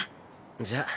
じゃあ。